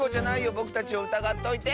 ぼくたちをうたがっといて！